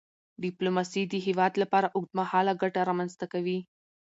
ډیپلوماسي د هیواد لپاره اوږدمهاله ګټه رامنځته کوي.